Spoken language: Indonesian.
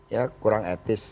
ya kurang etis